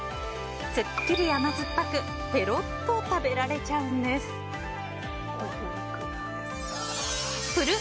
すっきり甘酸っぱく、ペロッと食べられちゃうんです。